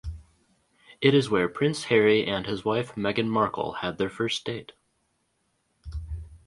It is where Prince Harry and his wife Meghan Markle had their first date.